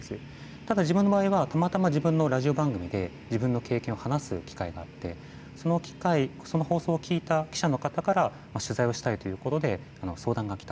ただ、自分の場合はたまたま自分のラジオ番組で自分の経験を話す機会があってその放送を聞いた記者の方から取材をしたいということで相談が来た。